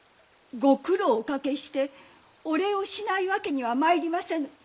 ご苦労をおかけしてお礼をしないわけにはまいりませぬ。